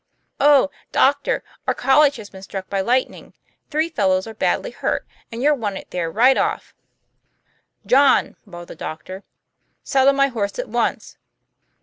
"Oh, doctor, our college has been struck by light ning. Three fellows are badly hurt, and you're wanted there right off." "John! ' bawled the doctor, "saddle my horse at once.